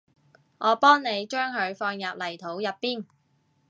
我幫你將佢放入泥土入邊